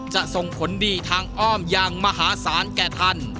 ส่งผลดีทางอ้อมอย่างมหาศาลแก่ท่าน